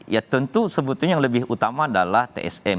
ya tentu sebetulnya yang lebih utama adalah tsm